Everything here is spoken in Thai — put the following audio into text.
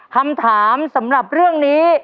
คำถามสำหรับเรื่องนี้